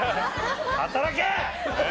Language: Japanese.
働け！